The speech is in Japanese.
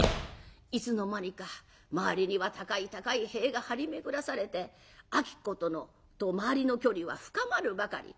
いつの間にか周りには高い高い塀が張り巡らされて子と周りの距離は深まるばかり。